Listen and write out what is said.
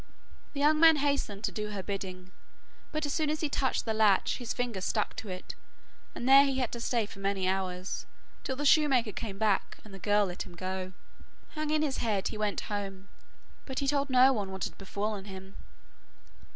The young man hastened to do her bidding, but as soon as he touched the latch, his fingers stuck to it, and there he had to stay for many hours, till the shoemaker came back, and the girl let him go. Hanging his head, he went home, but he told no one what had befallen him.